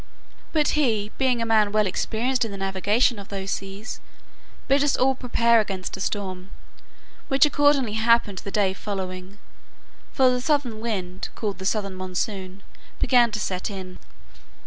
But he, being a man well experienced in the navigation of those seas, bid us all prepare against a storm, which accordingly happened the day following: for the southern wind, called the southern monsoon, began to set in.